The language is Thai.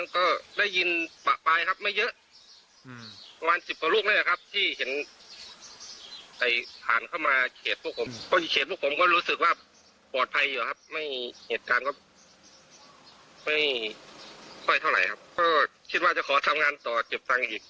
คิดว่าจะขอทำงานต่อเก็บตั้งอีกก่อนครับ